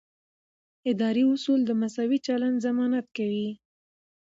اداري اصول د مساوي چلند ضمانت کوي.